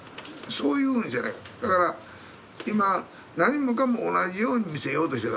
そういう意味でねだから今何もかも同じように見せようとしてるわけ社会は。